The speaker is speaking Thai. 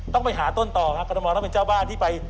ต้องไปหาต้นต่อครับกรทมต้องเป็นเจ้าบ้านที่ไป